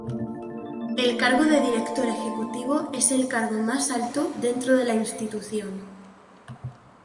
El cargo de Director Ejecutivo es el cargo más alto dentro de la institución.